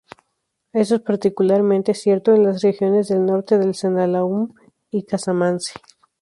Esto es particularmente cierto en las regiones del norte del Seno-Saloum y Casamance.